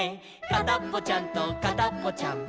「かたっぽちゃんとかたっぽちゃん」